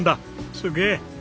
すげえ！